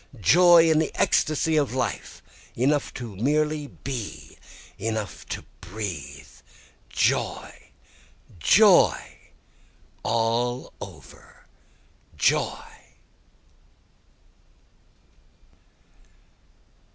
joy in the ecstasy of life! Enough to merely be! enough to breathe! Joy! joy! all over joy!